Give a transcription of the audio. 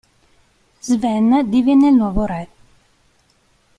Sven divenne il nuovo re.